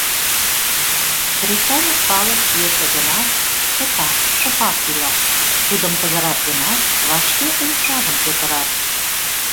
Кресаньык калык, йӧсӧ гынат, чыта, шыпак ила; тудым пызырат гынат, вашке умшажым петырат.